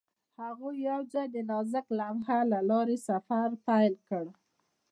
هغوی یوځای د نازک لمحه له لارې سفر پیل کړ.